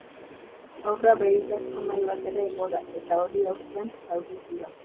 Haurra beirazko mahai batera igo da, eta hori haustean zauritu da.